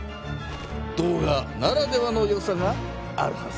動画ならではのよさがあるはずだ。